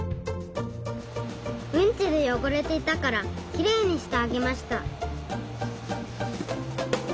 うんちでよごれていたからきれいにしてあげました。